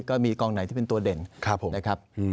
ก็มีกองไหนที่เป็นตัวเด่นนะครับ